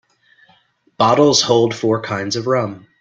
Bottles hold four kinds of rum.